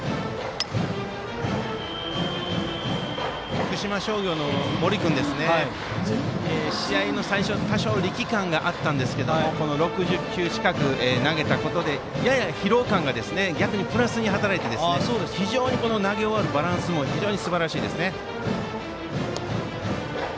徳島商業の森君ですが試合の最初、多少力感があったんですが６０球近く投げたことで疲労感が逆にややプラスに働いて非常に投げ終わるバランスもすばらしいです。